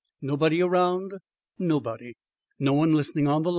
"Nobody around?" Nobody. "No one listening on the line?"